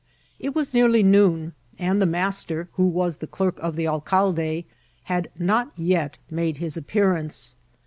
It was nearly noon, and the master, who was the clerk of the alcalde, had not yet made his appearance.